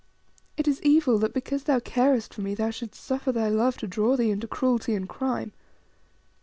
It is evil that because thou carest for me thou shouldst suffer thy love to draw thee into cruelty and crime.